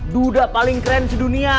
dudak paling keren sedunia